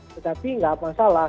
tetapi enggak masalah